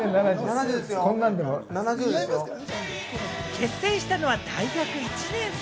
結成したのは大学１年生。